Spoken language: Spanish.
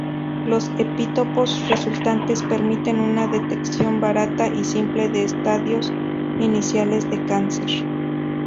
Los epítopos resultantes permiten una detección barata y simple de estadios iniciales de cáncer.